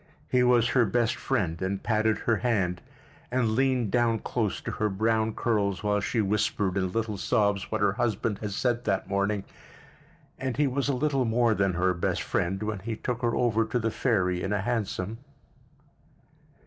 He was her best friend and patted her hand—and leaned down close to her brown curls while she whispered in little sobs what her husband had said that morning; and he was a little more than her best friend when he took her over to the ferry in a hansom.